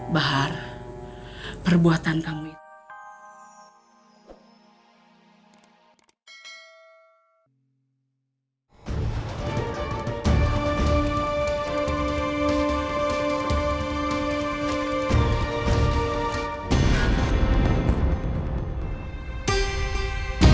bahar perbuatan kamu itu